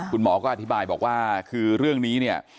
คุณหมอก็อธิบายบอกว่าคือเรื่องนี้เนี่ย